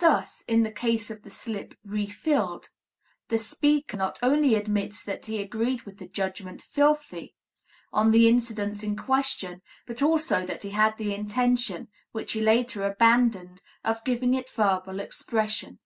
Thus, in the case of the slip "refilled," the speaker not only admits that he agreed with the judgment "filthy," on the incidents in question, but also that he had the intention (which he later abandoned) of giving it verbal expression.